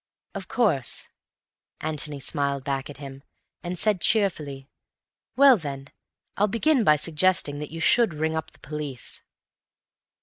"Of course." Antony smiled back at him, and said cheerfully, "Well, then, I'll begin by suggesting that you should ring up the police."